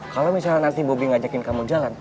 kalo misalnya nanti bobi ngajakin kamu jalan